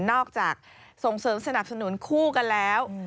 อกจากส่งเสริมสนับสนุนคู่กันแล้ว